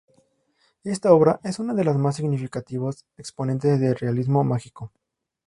Esta obra es una de los más significativos exponentes del realismo mágico.